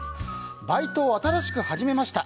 バイトを新しく始めました。